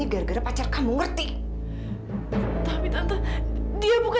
biar saya presa dulu ya pak